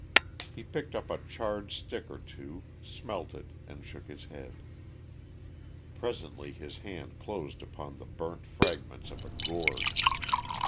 He picked up a charred stick or two, smelt it, and shook his head. Presently his hand closed upon the burnt fragments of a gourd.